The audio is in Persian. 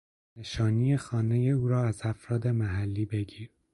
نشانی خانه او را از افراد محلی بگیر